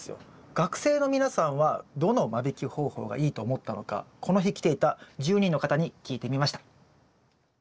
学生の皆さんはどの間引き方法がいいと思ったのかこの日来ていた１０人の方に聞いてみました。